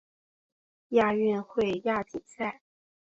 亚运会亚锦赛